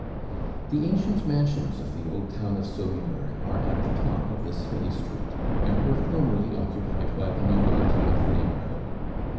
The ancient mansions of the old town of Saumur are at the top of this hilly street, and were formerly occupied by the nobility of the neighborhood.